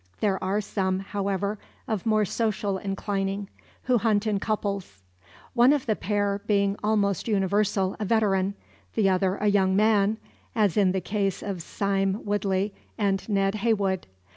There are some, however, of more social inclining, who hunt in couples; one of the pair being almost universal a veteran, the other a young man as in the case of Sime Woodley and Ned Heywood.